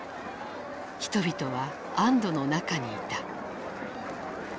人々は安どの中にいた。